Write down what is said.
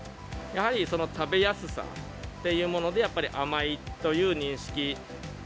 やはりその食べやすさっていうもので、やっぱり甘いという認識。